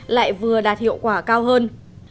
lại vừa đạt hiệu quả cao hơn